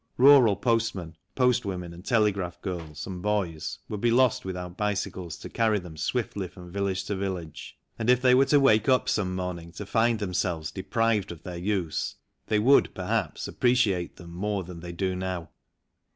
Rural postmen, postwomen, and telegraph girls and boys would be lost without bicycles to carry them swiftly from village to village, and if they were to wake up some morning to find themselves deprived of their use they would, perhaps, appreciate them more than they do now.